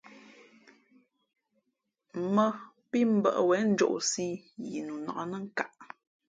Mᾱ pí mbᾱʼ wěn njōʼsī ī yi nu nǎk nά nkaʼ.